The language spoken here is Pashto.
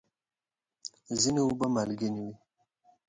ځینې اوبه مالګینې وي.